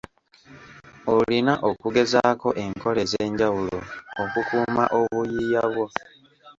Olina okugezaako enkola ez'enjawulo okukuuma obuyiiya bwo.